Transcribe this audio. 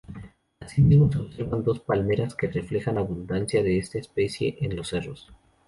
Asimismo, se observan dos palmeras que reflejan abundancia de esta especie en los cerros.